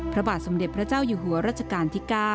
พระบาทสมเด็จพระเจ้าอยู่หัวรัชกาลที่๙